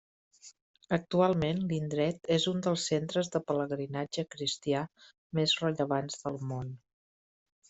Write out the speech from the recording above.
Actualment l'indret és un dels centres de pelegrinatge cristià més rellevants del món.